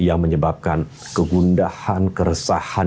yang menyebabkan kegundahan keresahan